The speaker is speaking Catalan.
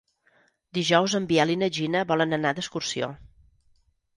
Dijous en Biel i na Gina volen anar d'excursió.